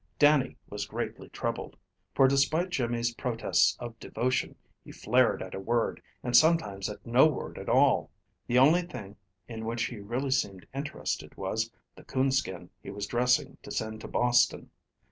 Dannie was greatly troubled, for despite Jimmy's protests of devotion, he flared at a word, and sometimes at no word at all. The only thing in which he really seemed interested was the coon skin he was dressing to send to Boston.